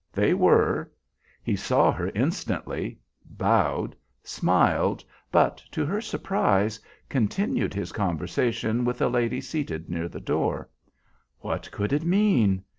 They were. He saw her instantly; bowed, smiled, but, to her surprise, continued his conversation with a lady seated near the door. What could it mean?